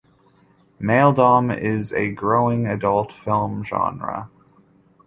Maledom is a growing adult film genre.